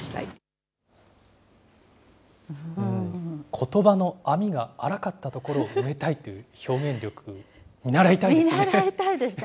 ことばの網が粗かったところを埋めたいという表現力、見習い見習いたいですね。